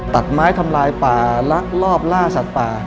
ตัดไม้ทำลายป่าลักลอบล่าสัตว์ป่า